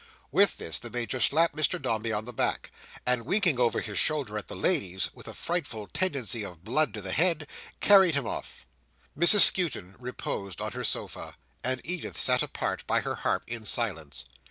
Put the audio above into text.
With this, the Major slapped Mr Dombey on the back, and winking over his shoulder at the ladies, with a frightful tendency of blood to the head, carried him off. Mrs Skewton reposed on her sofa, and Edith sat apart, by her harp, in silence.